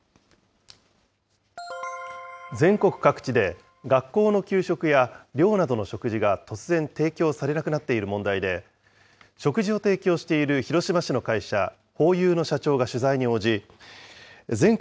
全国各地で学校の給食や寮などの食事が突然提供されなくなっている問題で、食事を提供している広島市の会社、ホーユーの社長が取材に応じ、全国